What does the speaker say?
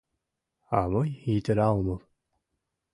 А мый йытыра омыл.